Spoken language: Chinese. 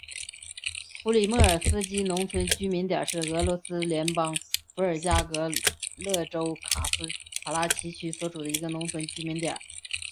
普里莫尔斯基农村居民点是俄罗斯联邦伏尔加格勒州卡拉奇区所属的一个农村居民点。